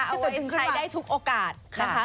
เอาไว้ใช้ได้ทุกโอกาสนะคะ